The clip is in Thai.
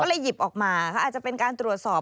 ก็เลยหยิบออกมาเขาอาจจะเป็นการตรวจสอบ